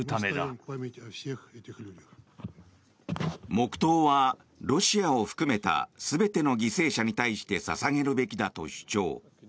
黙祷は、ロシアを含めた全ての犠牲者に対して捧げるべきだと主張。